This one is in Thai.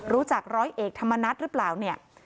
รู้จักร้อยเอกธรรมนัฏหรือเปล่าเนี่ย